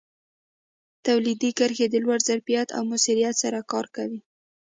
تولیدي کرښې د لوړ ظرفیت او موثریت سره کار کوي.